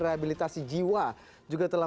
rehabilitasi jiwa juga telah